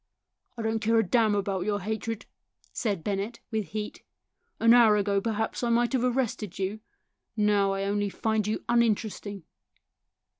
" I don't care a damn about your hatred," said Bennett, with heat. " An hour ago, perhaps, I might have arrested you; now I only find you uninteresting."